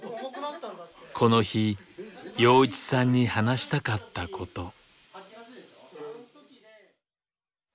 この日陽一さんに話したかったこと。